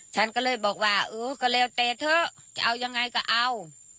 ฉันก็เลยบอกว่าเออก็แล้วแต่เถอะจะเอายังไงก็เอา